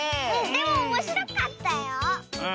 でもおもしろかったよ。